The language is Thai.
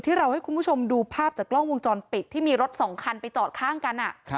เราให้คุณผู้ชมดูภาพจากกล้องวงจรปิดที่มีรถสองคันไปจอดข้างกัน